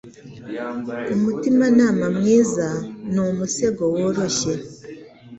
Umutimanama mwiza ni umusego woroshye.